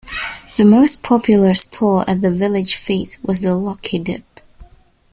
The most popular stall at the village fete was the lucky dip